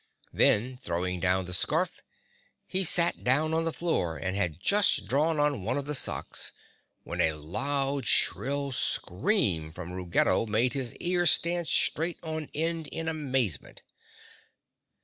Then, throwing down the scarf, he sat down on the floor and had just drawn on one of the socks when a loud shrill scream from Ruggedo made his ears stand straight on end in amazement.